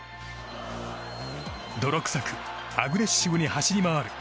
泥臭くアグレッシブに走り回る。